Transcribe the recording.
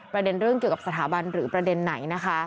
ประเด็นเรื่องเกี่ยวกับสถาบันหรือประเด็นไหนนะคะ